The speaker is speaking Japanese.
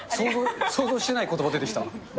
想像してないことば出てきた。